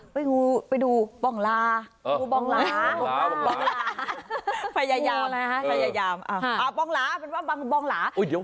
ไปดูปองลาปองลาปองลาปองลาปองลาโอ้ยเดี๋ยว